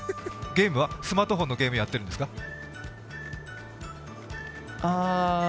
ゲームはスマートフォンのゲームやっているんですか？